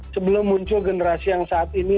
sebelum muncul generasi yang saat ini